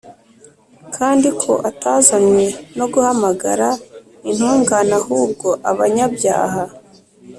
kandi ko atazanywe no guhamagara intungane ahubwo abanyabyaha.